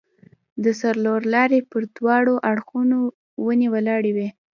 د څلورلارې پر دواړو اړخو ونې ولاړې وې.